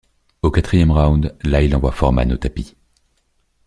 Au quatrième round, Lyle envoie Foreman au tapis.